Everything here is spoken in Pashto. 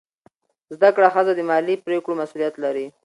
زده کړه ښځه د مالي پریکړو مسؤلیت لري.